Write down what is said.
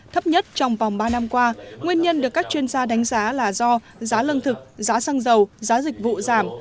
thấp nhất trong vòng ba năm qua nguyên nhân được các chuyên gia đánh giá là do giá lương thực giá xăng dầu giá dịch vụ giảm